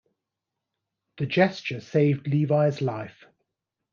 The gesture saved Levi's life.